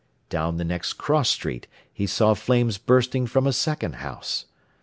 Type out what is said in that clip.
Down the next cross street he saw flames bursting from a second house.